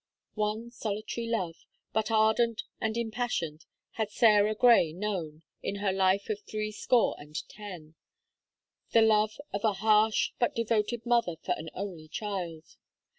One solitary love, but ardent and impassioned, had Sarah Gray known, in her life of three score and ten the love of a harsh, but devoted mother for an only child.